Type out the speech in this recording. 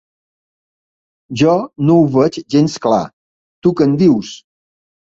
Jo no ho veig gens clar, tu que en dius?